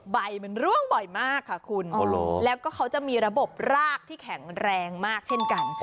ใบมันร่วงบ่อยมากค่ะคุณแล้วก็เขาจะมีระบบรากที่แข็งแรงมากเช่นกัน